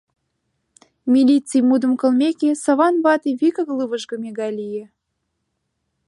Милиций мутым колмеке, Саван вате вигак лывыжгыме гай лие.